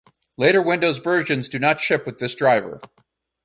Later Windows versions do not ship with this driver.